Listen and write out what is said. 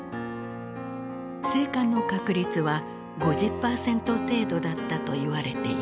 生還の確率は５０％程度だったと言われている。